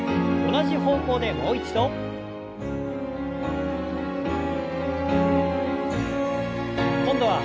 同じ方向でもう一度。